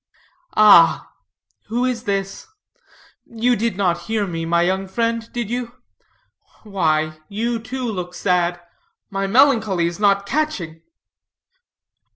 "Ah, who is this? You did not hear me, my young friend, did you? Why, you, too, look sad. My melancholy is not catching!"